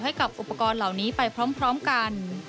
ให้กับอุปกรณ์เหล่านี้ไปพร้อมกัน